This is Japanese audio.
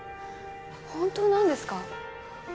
本当なんですか？